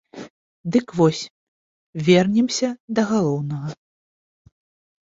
Дык вось, вернемся да галоўнага.